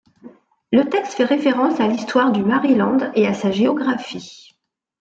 Le texte fait référence à l'histoire du Maryland et à sa géographie.